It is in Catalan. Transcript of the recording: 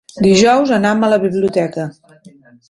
Dijous anam a la biblioteca.